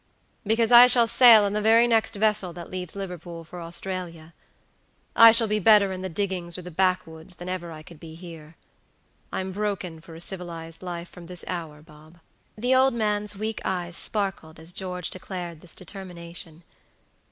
"Because I shall sail in the very next vessel that leaves Liverpool for Australia. I shall be better in the diggings or the backwoods than ever I could be here. I'm broken for a civilized life from this hour, Bob." The old man's weak eyes sparkled as George declared this determination.